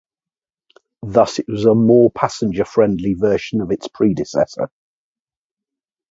Thus it was a more passenger-friendly version of its predecessor.